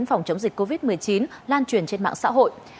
phòng chống dịch covid một mươi chín lan truyền trên mạng xã hội